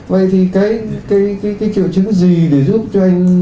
vậy thì cái triệu chứng gì để giúp cho anh